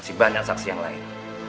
sibahnya saksi yang lain